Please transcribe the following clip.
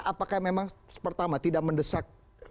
apakah memang pertama tidak mendesak